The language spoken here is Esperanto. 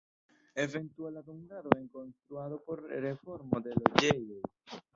Eventuala dungado en konstruado por reformo de loĝejoj.